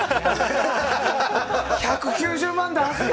１９０万、出すか！